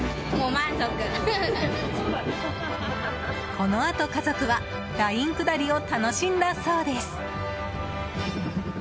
このあと家族はライン下りを楽しんだそうです。